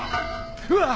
うわっ！